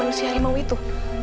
aku bisa mencari tahu